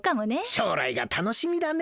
しょうらいがたのしみだね。